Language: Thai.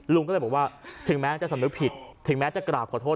ลุงก็เลยบอกว่าถึงแม้จะสำนึกผิดถึงแม้จะกราบขอโทษ